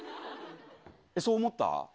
そう思った？